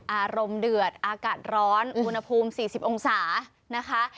อารมณ์เดือดอากาศร้อนอุณหภูมิ๔๐องศานะคะ